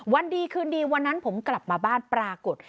วันดีคืนดีวันนั้นผมกลับมาบ้านปรากฏ